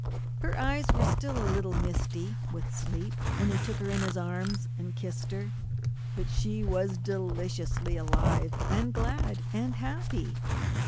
Her eyes were still a little misty with sleep when he took her in his arms and kissed her, but she was deliciously alive, and glad, and happy.